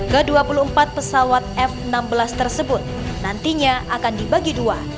ke dua puluh empat pesawat f enam belas tersebut nantinya akan dibagi dua